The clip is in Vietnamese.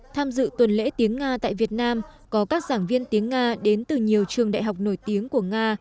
tham dự tuần lễ tiếng nga tại việt nam có các giảng viên tiếng nga đến từ nhiều trường đại học nổi tiếng của nga